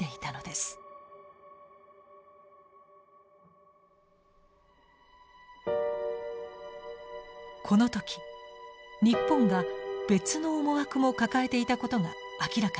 この時日本が別の思惑も抱えていたことが明らかになりました。